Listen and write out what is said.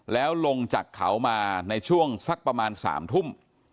แล้วลงจากเขามาในช่วงสักประมาณ๓ทุ่ม